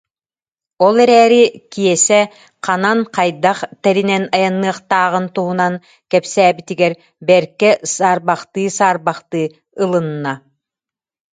Ол эрээри Киэсэ ханан, хайдах тэринэн айанныахтааҕын туһунан кэпсээбитигэр бэркэ саар- бахтыы-саарбахтыы ылынна